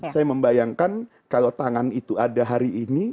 saya membayangkan kalau tangan itu ada hari ini